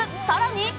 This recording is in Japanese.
さらに。